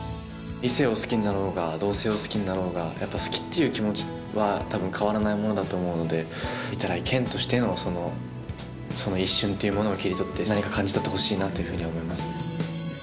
異性を好きになろうが同性を好きになろうが好きっていう気持ちはたぶん変わらないものだと思うので御手洗健としてのその一瞬というものを切り取って何か感じ取ってほしいなというふうに思います